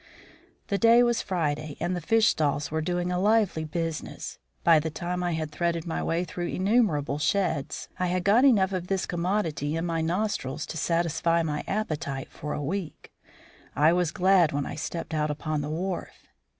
The day was Friday and the fish stalls were doing a lively business. By the time I had threaded my way through innumerable sheds, I had got enough of this commodity into my nostrils to satisfy my appetite for a week. I was glad when I stepped out upon the wharf.